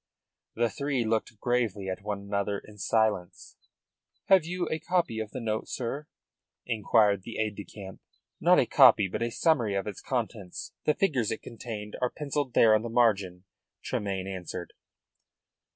The three looked gravely at one another in silence. "Have you a copy of the note, sir?" inquired the aide de camp. "Not a copy but a summary of its contents, the figures it contained, are pencilled there on the margin," Tremayne answered.